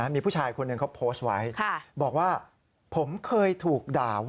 อ้าวจริงเหรอคะ